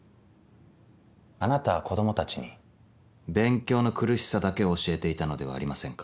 あなたは子供たちに勉強の苦しさだけを教えていたのではありませんか？